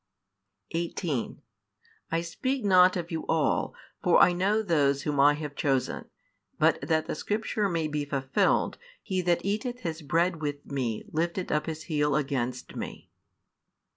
18 I speak not of you all, for I know those whom I have chosen: but that the scripture may be fulfilled, He that eateth his bread with Me lifted up his heel against Me.